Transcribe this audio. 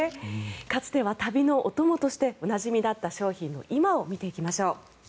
かつては旅のお供としておなじみだった商品の今を見ていきましょう。